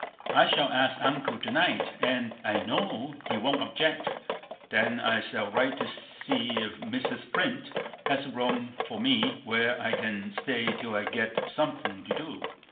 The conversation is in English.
"I shall ask Uncle to night, and I know he won't object. Then I shall write to see if Mrs. Flint has a room for me, where I can stay till I get something to do.